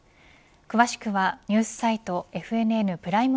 詳しくはニュースサイトＦＮＮプライム